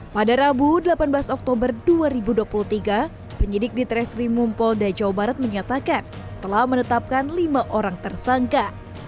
pada rabu delapan belas oktober dua ribu dua puluh tiga penyidik di treskrimum polda jawa barat menyatakan telah menetapkan lima orang tersangka